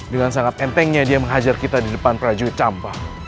dengan sangat entengnya dia menghajar kita di depan prajurit camba